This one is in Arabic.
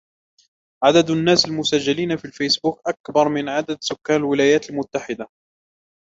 عدد الناس المسجلين في الفيسبوك أكبر من عدد سكان الولايات المتحدة.